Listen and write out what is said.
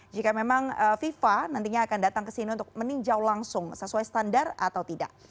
jika memang fifa nantinya akan datang ke sini untuk meninjau langsung sesuai standar atau tidak